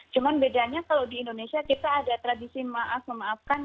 cuma bedanya kalau di indonesia kita ada tradisi maaf memaafkan